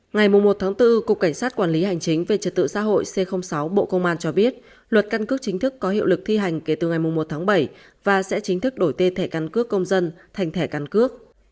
ngày một bốn cục cảnh sát quản lý hành chính về trật tự xã hội c sáu bộ công an cho biết luật căn cước chính thức có hiệu lực thi hành kể từ ngày một tháng bảy và sẽ chính thức đổi tên thẻ căn cước công dân thành thẻ căn cước